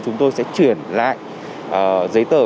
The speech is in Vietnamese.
chúng tôi sẽ chuyển lại giấy tờ